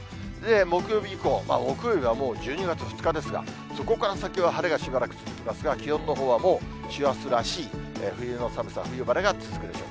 木曜日以降、木曜日はもう１２月２日ですが、そこから先は晴れがしばらく続きますが、気温のほうはもう師走らしい、冬の寒さ、冬晴れが続くでしょう。